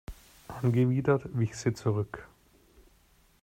Angewidert wich sie zurück.